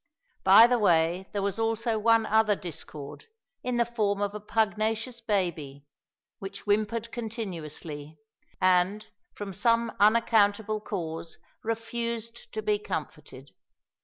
By the way there was also one other discord, in the form of a pugnacious baby, which whimpered continuously, and, from some unaccountable cause, refused to be comforted.